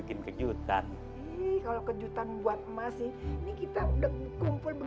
kita udah dari rumahpola